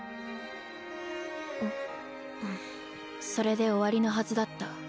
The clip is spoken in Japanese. それで終わりのはずだった。